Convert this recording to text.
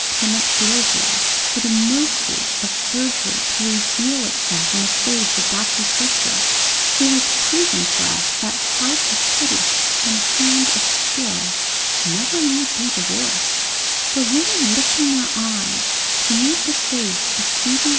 Clemence Lozier; for the mercy of surgery to reveal itself in the face of Dr. Cushier, who has proved for us that heart of pity and hand of skill need never be divorced; for women lifting their eyes to meet the face of Phebe A.